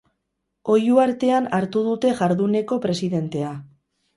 Oihu artean hartu dute jarduneko presidentea.